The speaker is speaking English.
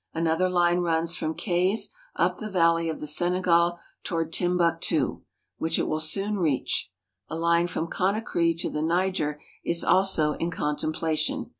Another line runs from Kayes up the valley of the Senegal toward Timbuctu, which it will soon reach. A line from Conakry to the Niger is also in contemplation.